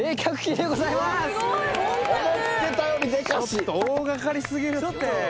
ちょっと大がかり過ぎるって。